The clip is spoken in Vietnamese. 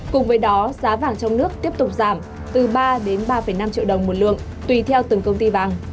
cùng với đó giá vàng trong nước tiếp tục giảm từ ba đến ba năm triệu đồng một lượng tùy theo từng công ty vàng